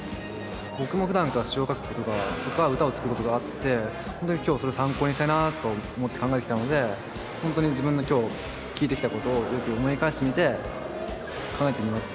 僕もふだんから詞を書くことが歌を作ることがあって本当に今日それ参考にしたいなあとか思って考えてきたので本当に自分の今日聴いてきたことをよく思い返してみて考えてみます。